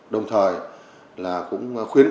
đồng thời là cũng khuyến cáo